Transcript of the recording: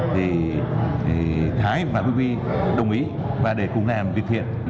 thì thái và vbi đồng ý và để cùng làm việc thiện